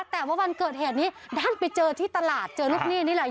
แต่ว่าวันเกิดเหตุนี้ด้านไปเจอที่ตลาดเจอลูกหนี้นี่แหละ